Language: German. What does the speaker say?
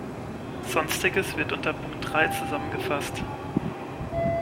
Sonstiges wird unter Punkt drei zusammengefasst.